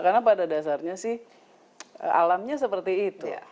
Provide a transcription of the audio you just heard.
karena pada dasarnya sih alamnya seperti itu